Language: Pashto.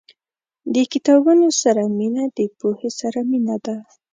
• د کتابونو سره مینه، د پوهې سره مینه ده.